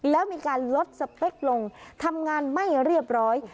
แล้วมีการลดสเปคลงทำงานไม่เรียบร้อย